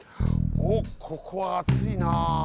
おっここはあついな。